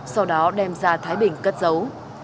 sau đó đem ra thái bình cất dấu